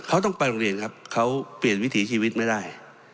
เขาต้องไปโรงเรียนครับเขาเปลี่ยนวิถีชีวิตไม่ได้